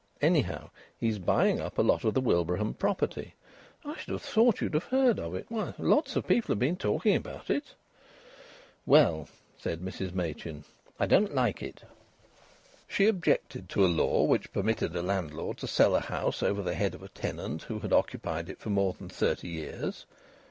Anyhow, he's buying up a lot of the Wilbraham property. I should have thought you'd have heard of it. Why, lots of people have been talking about it." "Well," said Mrs Machin, "I don't like it." She objected to a law which permitted a landlord to sell a house over the head of a tenant who had occupied it for more than thirty years.